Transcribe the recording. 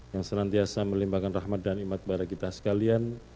yang senantiasa melimpahkan rahmat dan imat kepada kita sekalian